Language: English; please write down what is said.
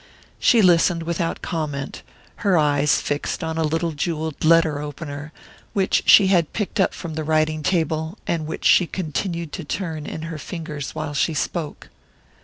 She listened without comment, her eyes fixed on a little jewelled letter opener which she had picked up from the writing table, and which she continued to turn in her fingers while he spoke.